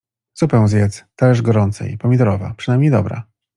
Zupę zjedz, talerz gorącej, pomidorowa, przynajmniej dobra.